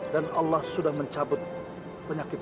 allah sudah mencabut penyakit